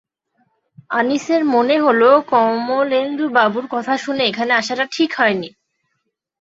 আনিসের মনে হলো, কমলেন্দুবাবুর কথা শুনে এখানে আসাটা ঠিক হয় নি।